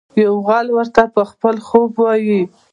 یو غل ورته خپل خوب وايي.